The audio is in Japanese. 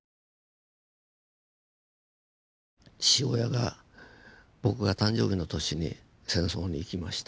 父親が僕が誕生日の年に戦争に行きました。